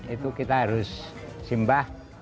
itu kita harus simbah